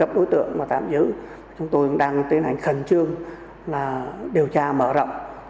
cấp đối tượng mà tạm giữ chúng tôi đang tiến hành khẩn trương là điều tra mở rộng